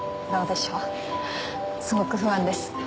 すごく不安です。